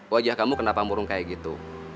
wajah kamu kenapa murung kayak gitu